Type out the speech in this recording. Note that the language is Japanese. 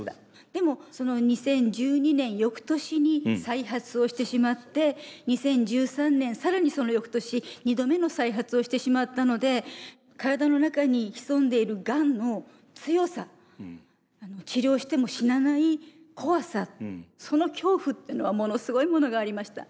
でもその２０１２年よくとしに再発をしてしまって２０１３年更にそのよくとし２度目の再発をしてしまったので体の中に潜んでいるがんの強さ治療しても死なない怖さその恐怖っていうのはものすごいものがありました。